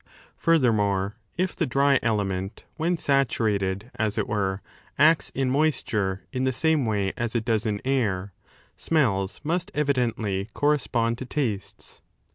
Furthermore, if the dry element, when saturated, as it were, acts in moisture in the same way as it does in air, smells must evidently correspond to tastes.